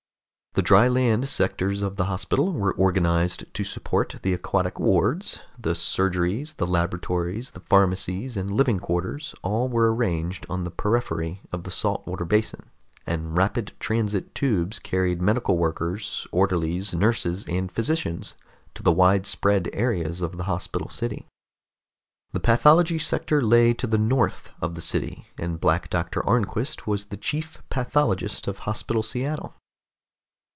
The dry land sectors of the hospital were organized to support the aquatic wards; the surgeries, the laboratories, the pharmacies and living quarters all were arranged on the periphery of the salt water basin, and rapid transit tubes carried medical workers, orderlies, nurses and physicians to the widespread areas of the hospital city. The pathology sector lay to the north of the city, and Black Doctor Arnquist was the chief pathologist of Hospital Seattle.